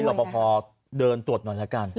รอปภเดินตรวจหน่อยละกัน